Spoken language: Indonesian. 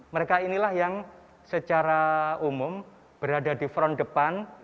mereka inilah yang secara umum berada di front depan